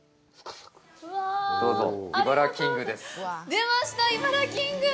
出ました、イバラキング！